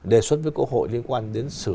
đề xuất với cộng hội liên quan đến